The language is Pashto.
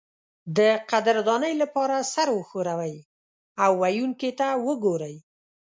د قدردانۍ لپاره سر وښورئ او ویونکي ته وګورئ.